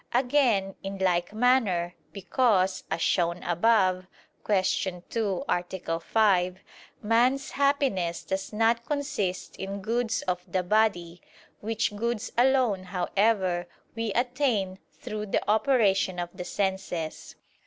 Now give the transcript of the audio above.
Again, in like manner, because, as shown above (Q. 2, A. 5), man's happiness does not consist in goods of the body, which goods alone, however, we attain through the operation of the senses.